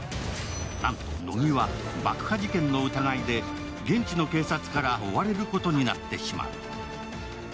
なんと乃木は爆破事件の疑いで現地の警察から追われることになってしまう。